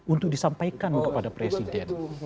untuk disampaikan kepada presiden